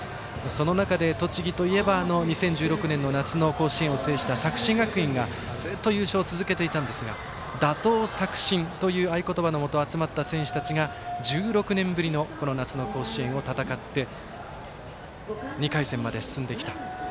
その中で栃木といえば２０１６年の夏の甲子園を制した作新学院が、ずっと優勝を続けていたんですが打倒・作新という合言葉のもと集まった選手たちが１６年ぶりの夏の甲子園を戦って２回戦まで進んできた。